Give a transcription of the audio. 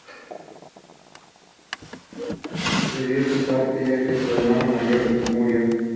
Sucedió a su padre, ya que su hermano mayor Ilo murió prematuramente.